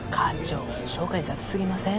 紹介雑すぎません？